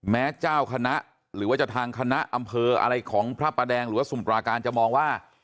แม้เจ้าคณะหรือว่าจะทางคณะอำเภออะไรของพระประแดงหรือว่าสมุปราการจะมองว่า